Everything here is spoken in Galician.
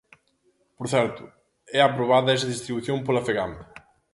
Por certo, é aprobada esa distribución pola Fegamp.